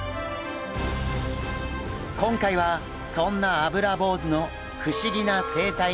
今回はそんなアブラボウズの不思議な生態に迫ります！